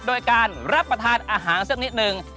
โดยการรับประทานอาหารสักนิดนึง